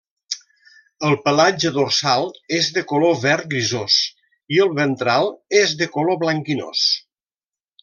El pelatge dorsal és de color verd grisós i el ventral és de color blanquinós.